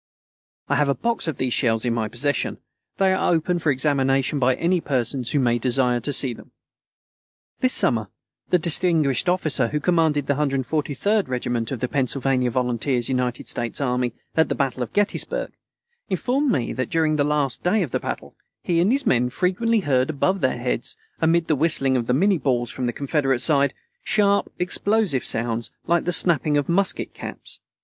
I have a box of these shells in my possession. They are open for examination by any persons who may desire to see them. This summer the distinguished officer who commanded the 143d regiment of Pennsylvania volunteers, United States army, at the battle of Gettysburg, informed me that during the last day of the battle, he and his men frequently heard, above their heads, amid the whistling of the minnie balls from the Confederate side, sharp, explosive sounds like the snapping of musket caps.